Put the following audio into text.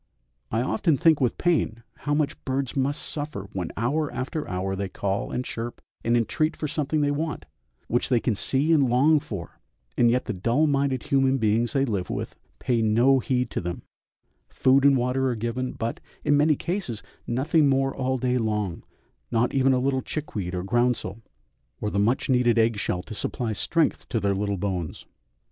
I often think with pain how much birds must suffer when hour after hour they call and chirp and entreat for something they want, which they can see and long for, and yet the dull minded human beings they live with pay no heed to them, food and water are given, but, in many cases, nothing more all day long, not even a little chickweed or groundsel, or the much needed egg shell to supply strength to their little bones.